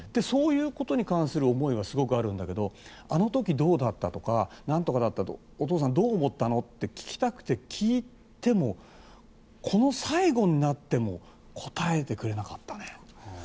そういうことに関する思いはすごくあるんだけどあの時、どうだったとかお父さん、どう思ったのって聞きたくて聞いても最期になっても答えてくれなかったね。